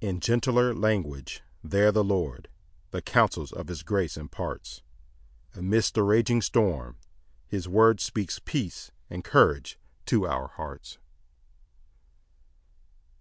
6 In gentler language there the Lord The counsels of his grace imparts; Amidst the raging storm his word Speaks peace and courage to our hearts.